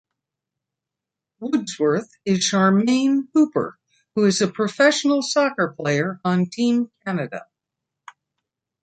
Woodsworth is Charmaine Hooper who is a professional soccer player on Team Canada.